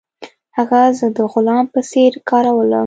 هغه زه د غلام په څیر کارولم.